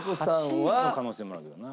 ８位の可能性もあるけどな。